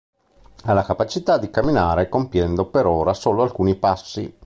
Ha la capacità di camminare compiendo per ora solo alcuni passi.